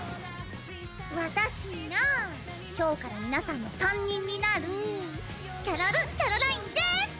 私が今日から皆さんの担任になるキャロル＝キャロラインでーす！